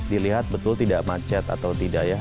dilihat betul tidak macet atau tidak ya